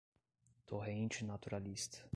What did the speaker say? torrente naturalista